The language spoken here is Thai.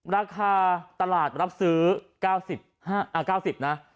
ราคาตลาดรับซื้อ๙๐นะ